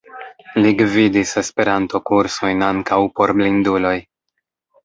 Li gvidis Esperanto-kursojn, ankaŭ por blinduloj.